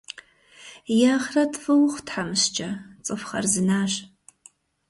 И ахърэт фӏы ухъу, тхьэмыщкӏэ, цӏыху хъарзынащ.